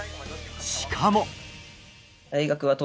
しかも。